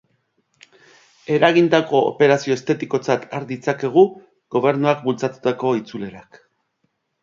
Eragindako operazio estetikotzat har ditzakegu Gobernuak bultzatutako itzulerak.